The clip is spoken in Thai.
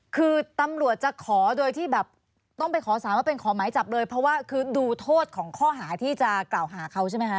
คือตำรวจจะขอโดยที่แบบต้องไปขอสารว่าเป็นขอหมายจับเลยเพราะว่าคือดูโทษของข้อหาที่จะกล่าวหาเขาใช่ไหมคะ